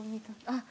あっ。